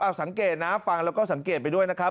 เอาสังเกตนะฟังแล้วก็สังเกตไปด้วยนะครับ